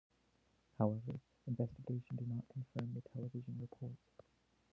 However, investigation did not confirm the television reports.